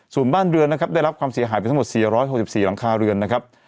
ส่วนบ้านเรือนนะครับได้รับความเสียหายไปทั้งหมด๔๖๔หลังคาเรือนนะครับ